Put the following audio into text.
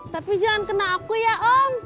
tapi jangan kena aku ya om